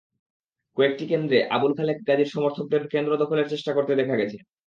কয়েকটি কেন্দ্রে আবদুল খালেক গাজীর সমর্থকদের কেন্দ্র দখলের চেষ্টা করতে দেখা গেছে।